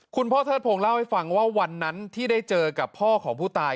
คุณพ่อเทิดพงศ์เล่าให้ฟังว่าวันนั้นที่ได้เจอกับพ่อของผู้ตาย